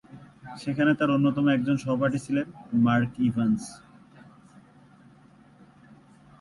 সেখানে তার অন্যতম একজন সহপাঠী ছিলেন মার্ক ইভান্স।